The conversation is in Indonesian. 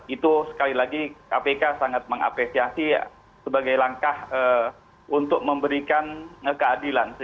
itu sekali lagi kpk sangat mengapresiasi sebagai langkah untuk memberikan keadilan